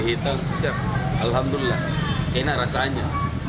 hitam siap alhamdulillah enak rasanya